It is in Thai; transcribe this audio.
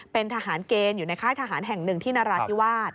เป็นทหารเกณฑ์อยู่ในค่ายทหารแห่งหนึ่งที่นราธิวาส